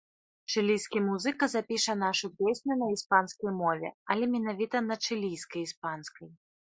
Чылійскі музыка запіша нашу песню на іспанскай мове, але менавіта на чылійскай іспанскай.